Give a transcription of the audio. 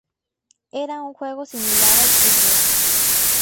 Era un juego similar al fútbol.